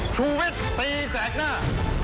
ชุวิตตีแสงหน้า